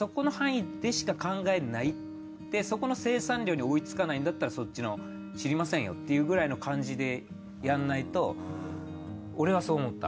でそこの生産量に追いつかないんだったらそっちの知りませんよっていうくらいの感じでやんないと俺はそう思った。